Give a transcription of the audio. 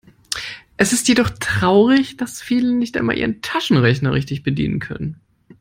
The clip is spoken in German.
Es ist jedoch traurig, dass viele nicht einmal ihren Taschenrechner richtig bedienen können.